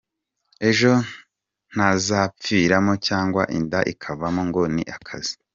Ejo ntazapfiramo cyangwa inda ikavamo ngo ni akazi".